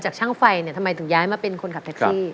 ช่างไฟเนี่ยทำไมถึงย้ายมาเป็นคนขับแท็กซี่